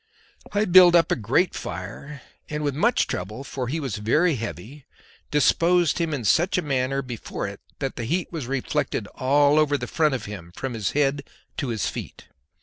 I built up a great fire, and with much trouble, for he was very heavy, disposed him in such a manner before it that the heat was reflected all over the front of him from his head to his feet.